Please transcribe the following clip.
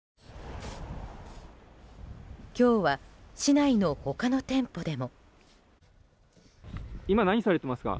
今日は市内の他の店舗でも。